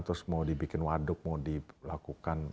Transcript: terus mau dibikin waduk mau dilakukan